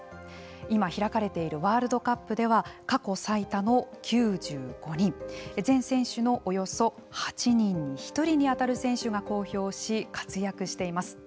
今、開かれているワールドカップでは過去最多の９５人全選手のおよそ８人に１人に当たる選手が公表し活躍しています。